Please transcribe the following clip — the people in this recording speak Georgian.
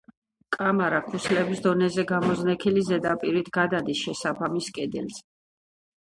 კამარა ქუსლების დონეზე გამოზნექილი ზედაპირით გადადის შესაბამის კედელზე.